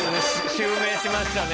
襲名しましたね。